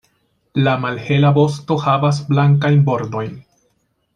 La malhela vosto havas blankajn bordojn.